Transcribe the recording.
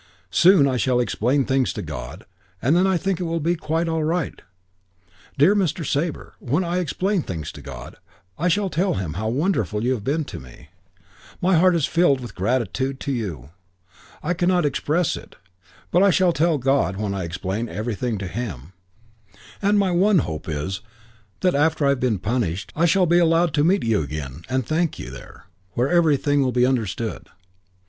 Soon I shall explain things to God and then I think it will be quite all right. Dear Mr. Sabre, when I explain things to God, I shall tell him how wonderful you have been to me. My heart is filled with gratitude to you. I cannot express it; but I shall tell God when I explain everything to him; and my one hope is that after I have been punished I shall be allowed to meet you again, and thank you there, where everything will be understood.